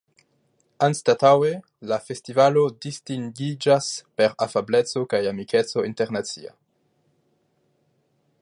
Anstataŭe, la festivalo distingiĝas per afableco kaj amikeco internacia.